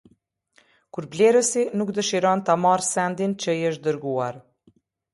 Kur blerësi nuk dëshiron ta marrë sendin që i është dërguar.